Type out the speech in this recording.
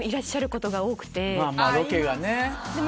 まぁまぁロケがね。